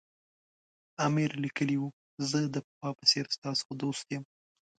امیر لیکلي وو زه د پخوا په څېر ستاسو دوست یم.